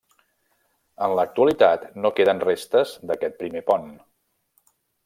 En l'actualitat no queden restes d'aquest primer pont.